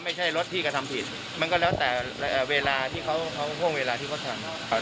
ไม่ใช่รถที่กระทำผิดมันก็แล้วแต่เวลาที่เขาห่วงเวลาที่เขาทำ